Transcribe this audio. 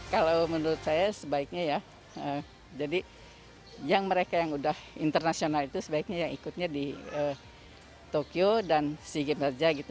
kalau menurut saya sebaiknya ya jadi yang mereka yang udah internasional itu sebaiknya yang ikutnya di tokyo dan sea games aja gitu